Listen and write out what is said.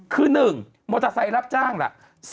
คือ๑มอเตอร์ไซค์รับจ้างล่ะ